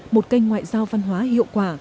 một kênh ngoại giao văn hóa hiệu quả